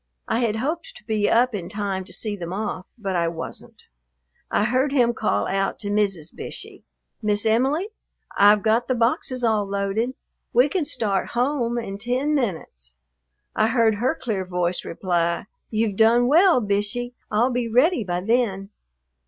I had hoped to be up in time to see them off, but I wasn't. I heard him call out to Mrs. Bishey, "Miss Em'ly, I've got the boxes all loaded. We can start home in ten minutes." I heard her clear voice reply, "You've done well, Bishey. I'll be ready by then."